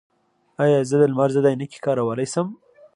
ایا زه د لمر ضد عینکې کارولی شم؟